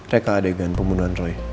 reka adegan pembunuhan roy